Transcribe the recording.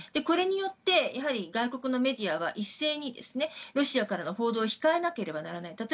これによって外国のメディアは一斉にロシアからの報道を控えなければならない。